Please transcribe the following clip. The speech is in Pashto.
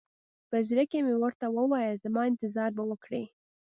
په زړه کښې مې ورته وويل زما انتظار به وکړې.